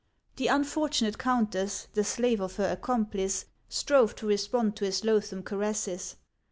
The unfortunate countess, the slave of her accomplice, strove to respond to his loathsome caresses.